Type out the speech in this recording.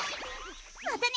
またね！